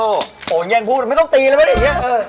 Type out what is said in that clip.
อย่างงี้ท่านพวกนี้ไม่ต้องตีเลยว่าวะ